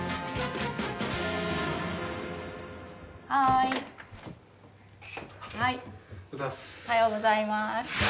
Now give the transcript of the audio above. おはようございます。